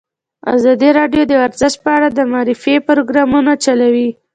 ازادي راډیو د ورزش په اړه د معارفې پروګرامونه چلولي.